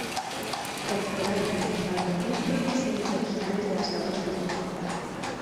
Recuperaron principalmente los diseños originales de las cabezas de los muñecos.